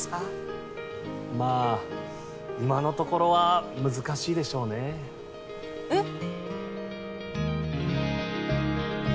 まぁ今のところは難しいでしょうねえっ？